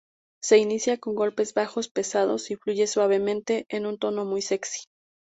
Se inicia con golpes bajos pesados y fluye suavemente en un tono muy sexy.